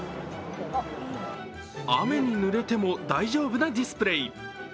雨に濡れても大丈夫なディスプレー。